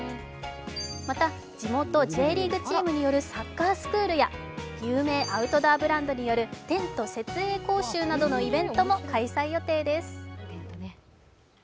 また、地元Ｊリーグチームによるサッカースクールや有名アウトドアブランドによるテント設営講習などのイベントも開催予定です。